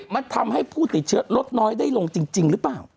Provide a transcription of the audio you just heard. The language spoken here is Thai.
มันทำให้ผู้ติดเชื้อลดน้อยได้ลงจริงหรือเปล่า